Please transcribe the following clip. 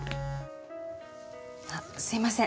あっすいません。